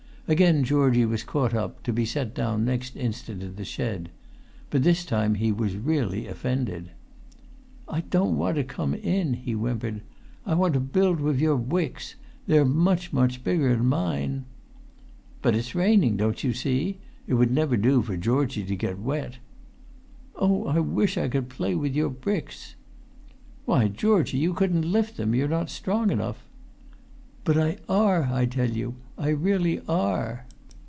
Again Georgie was caught up, to be set down next instant in the shed; but this time he was really offended. "I don't want to come in," he whimpered. "I want to build wif your bwicks. They're much, much bigger'n mine!" "But it's raining, don't you see? It would never do for Georgie to get wet." "Oh, I wish I would play wif your bwicks!" "Why, Georgie, you couldn't lift them; you're not strong enough." "But I are, I tell you. I really are!"